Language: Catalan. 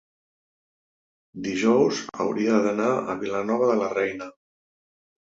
Dijous hauria d'anar a Vilanova de la Reina.